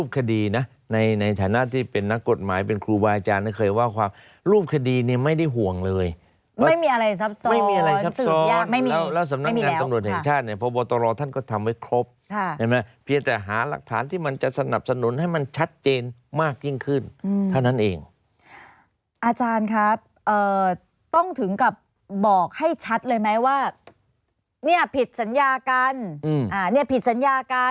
คดีนะในฐานะที่เป็นนักกฎหมายเป็นครูบาอาจารย์เคยว่าความรูปคดีเนี่ยไม่ได้ห่วงเลยไม่มีอะไรซับซ้อนไม่มีอะไรซับซ้อนยากไม่มีแล้วสำนักงานตำรวจแห่งชาติเนี่ยพบตรท่านก็ทำไว้ครบใช่ไหมเพียงแต่หาหลักฐานที่มันจะสนับสนุนให้มันชัดเจนมากยิ่งขึ้นเท่านั้นเองอาจารย์ครับต้องถึงกับบอกให้ชัดเลยไหมว่าเนี่ยผิดสัญญากันเนี่ยผิดสัญญากัน